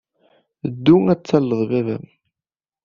Ddu ad talled baba-m.